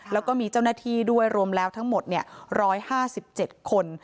แล้วก็มีเจ้าหน้าที่ด้วยรวมแล้วทั้งหมด๑๕๗คน